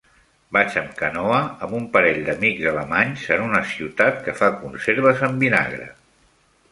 Vaig amb canoa amb un parell d'amics alemanys en una ciutat que fa conserves en vinagre.